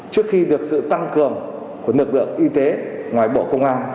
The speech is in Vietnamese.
trước khi được sự tăng cường của lực lượng y tế ngoài bộ công an